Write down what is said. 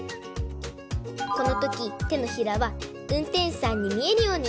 このときてのひらはうんてんしゅさんにみえるように！